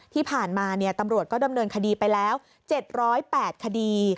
ที่ผ่านมาตำรวจก็ดำเนินคดีไปแล้ว๗๐๘คดี